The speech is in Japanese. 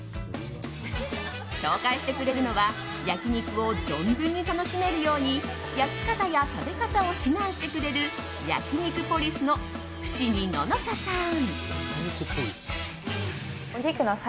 紹介してくれるのは焼き肉を存分に楽しめるように焼き方や食べ方を指南してくれる焼肉ポリスの伏見野乃花さん。